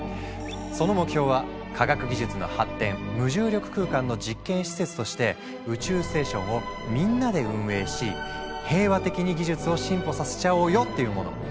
その目標は科学技術の発展無重力空間の実験施設として宇宙ステーションをみんなで運営し平和的に技術を進歩させちゃおうよっていうもの。